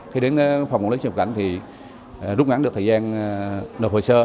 khi đến phòng quản lý xuất nhập cảnh thì rút ngắn được thời gian nộp hồ sơ